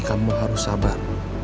kamu harus sabar